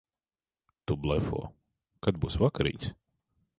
Tu blefo. Kad būs vakariņas?